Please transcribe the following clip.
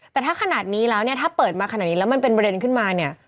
แต่ถ้าขนาดนี้แล้วเนี่ยถ้าเปิดมาขนาดนี้แล้วมันเป็นประเด็นขึ้นมาเนี่ย